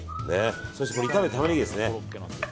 そして、炒めたタマネギですね。